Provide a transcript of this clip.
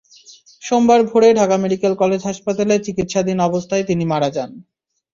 সোমবার ভোরে Dhaka medical college হাসপাতালে চিকিৎসাধীন অবস্থায় তিনি মারা যান।